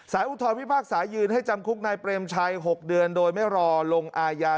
อุทธรพิพากษายืนให้จำคุกนายเปรมชัย๖เดือนโดยไม่รอลงอาญา